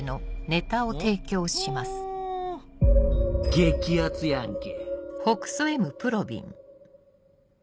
激アツやんけ。